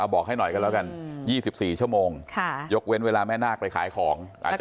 ๐๘๖๐๖๘๖๓๕๖บอกให้หน่อยกันแล้วกัน๒๔ชั่วโมงยกเว้นเวลาแม่นาคไปขายของ